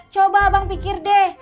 coba abang pikir deh